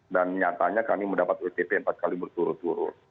dan nyatanya kami mendapat utp empat kali berturut turut